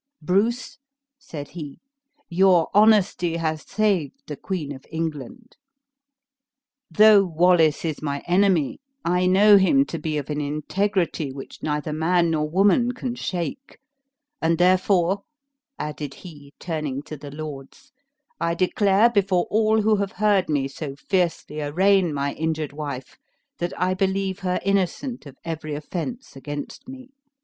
"Bruce," said he, "your honesty has saved the Queen of England. Though Wallace is my enemy, I know him to be of an integrity which neither man nor woman can shake; and therefore," added he, turning to the lords, "I declare before all who have heard me so fiercely arraign my injured wife, that I believe her innocent of every offense against me.